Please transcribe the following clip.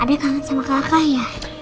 adik kangen sama kakak ya